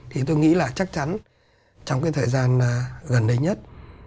thì tôi nghĩ là chắc chắn trong cái thời gian gần đây nhất